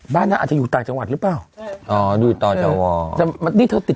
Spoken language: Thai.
บ้านนั้นอาจจะอยู่ต่างจังหวัดหรือเปล่าอ๋อดูต่อจากวอลนี่เธอติด